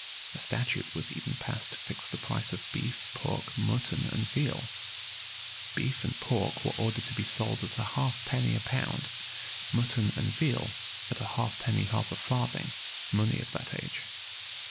[*] A statute was even passed to fix the price of beef, pork, mutton, and veal.[] Beef and pork were ordered to be sold at a halfpenny a pound; mutton and veal at a halfpenny half a farthing, money of that age.